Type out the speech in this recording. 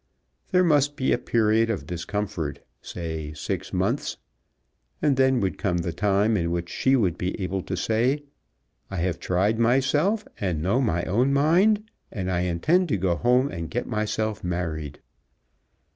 There must be a period of discomfort, say, six months; and then would come the time in which she would be able to say, "I have tried myself, and know my own mind, and I intend to go home and get myself married."